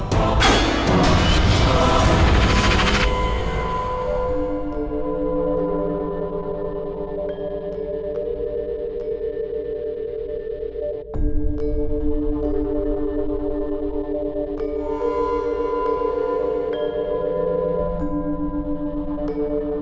kak tadi dengan nyaris